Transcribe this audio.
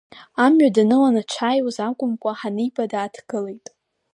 Амҩа даныланы дшааиуаз акәымкәа, ҳаниба, дааҭгылеит.